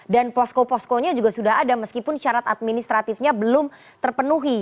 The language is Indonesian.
posko poskonya juga sudah ada meskipun syarat administratifnya belum terpenuhi